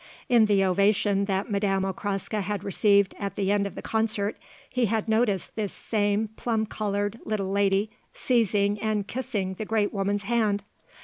In the ovation that Madame Okraska had received at the end of the concert he had noticed this same plum coloured little lady seizing and kissing the great woman's hand.